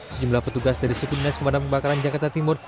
sejumlah petugas dari sekundas pemadam kebakaran jakarta timur